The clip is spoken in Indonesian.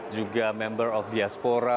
juga member of diaspora